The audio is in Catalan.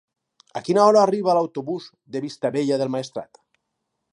A quina hora arriba l'autobús de Vistabella del Maestrat?